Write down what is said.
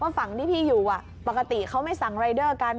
ฝั่งที่พี่อยู่ปกติเขาไม่สั่งรายเดอร์กัน